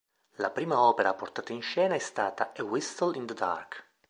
La prima opera portata in scena è stata "A Whistle in the Dark".